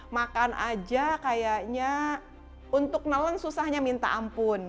makan aja kayaknya untuk neleng susahnya minta ampun